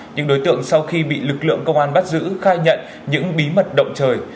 những đối tượng sau khi bị lực lượng công an bắt giữ khai nhận những bí mật động trời